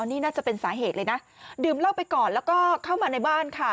นี่น่าจะเป็นสาเหตุเลยนะดื่มเหล้าไปก่อนแล้วก็เข้ามาในบ้านค่ะ